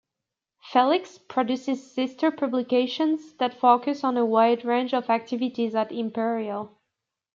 "Felix" produces sister publications that focus on a wide range of activities at Imperial.